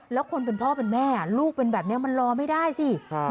แล้วคนเป็นพ่อเป็นแม่ลูกเป็นแบบนี้มันรอไม่ได้สิ